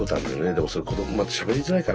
でもそれ子どももまたしゃべりづらいからね